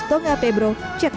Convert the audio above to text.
pertanyaan dari penulis